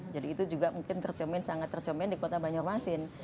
jadi itu juga mungkin tercermin sangat tercermin di kota banyarmasin